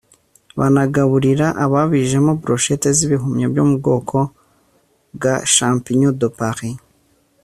banagaburira ababijemo ‘Brochettes’ z’ibihumyo byo mu bwoko bwa ‘Champignons de Paris’